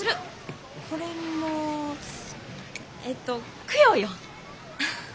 これもえっと供養よ。